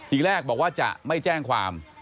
อีกแรกบอกว่าจะไม่แจ้งความ